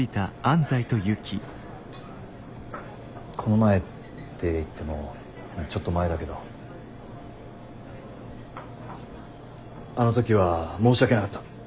この前って言ってもちょっと前だけどあの時は申し訳なかった。